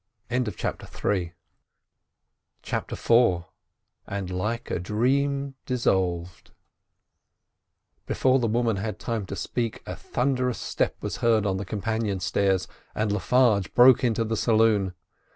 CHAPTER IV AND LIKE A DREAM DISSOLVED Before the woman had time to speak a thunderous step was heard on the companion stairs, and Le Farge broke into the saloon.